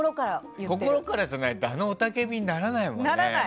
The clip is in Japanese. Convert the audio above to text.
心からじゃないとあの雄たけびにならないもんね。